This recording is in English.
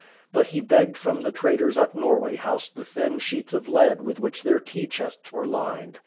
But he begged from the traders at Norway House the thin sheets of lead with which their tea chests were lined.